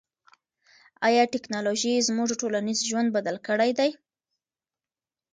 آیا ټیکنالوژي زموږ ټولنیز ژوند بدل کړی دی؟